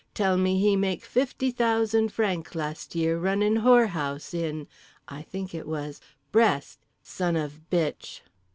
Tell me he make fifty thousand franc last year runnin' whorehouse in" (I think it was) "Brest. Son of bitch!"